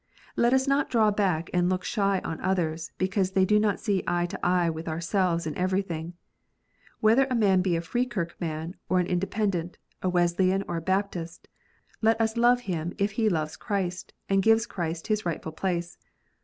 Let us not draw back and look shy on others, because they do not see eye to eye with ourselves in everything. Whether a man be a Free kirk man or an Independent, a Wesleyan or a Baptist, let us love him if he loves Christ, and gives Christ His rightful place.